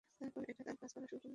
তারপরই এটা তার কাজ করা শুরু করবে।